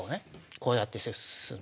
こうやって進む。